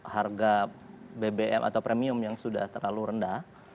harga bbm atau premium yang sudah terlalu rendah